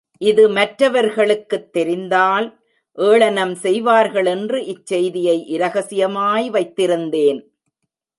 இது மற்றவர்களுக்குத் தெரிந்தால் ஏளனம் செய்வார்களென்று இச்செய்தியை இரகசியமாய் வைத்திருந்தேன்.